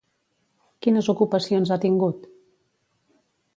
Quines ocupacions ha tingut?